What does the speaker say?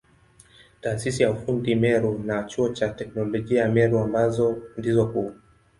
Taasisi ya ufundi Meru na Chuo cha Teknolojia ya Meru ambazo ndizo kuu.